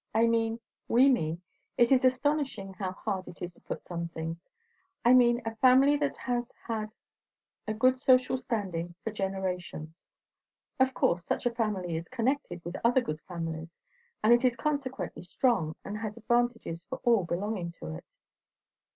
I mean we mean It is astonishing how hard it is to put some things! I mean, a family that has had a good social standing for generations. Of course such a family is connected with other good families, and it is consequently strong, and has advantages for all belonging to it."